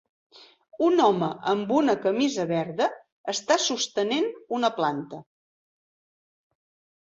Un home amb una camisa verda està sostenen una planta.